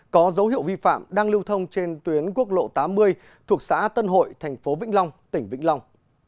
có dấu hiệu vi phạm đang lưu thông trên tuyến quốc lộ tám mươi thuộc xã tân hội thành phố vĩnh long tỉnh vĩnh long